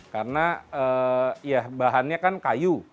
karena bahannya kan kayu